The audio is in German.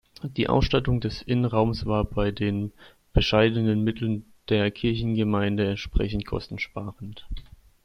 Die Ausstattung des Innenraumes war bei den bescheidenen Mitteln der Kirchengemeinde entsprechend kostensparend.